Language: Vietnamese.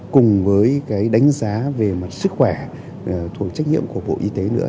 cùng với cái đánh giá về mặt sức khỏe thuộc trách nhiệm của bộ y tế nữa